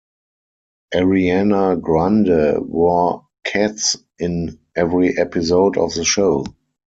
Ariana Grande wore Keds in every episode of the show.